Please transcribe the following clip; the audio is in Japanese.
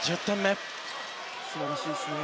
素晴らしいですね。